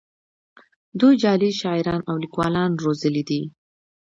دوی جعلي شاعران او لیکوالان روزلي دي